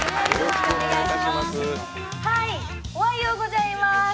おはようございます。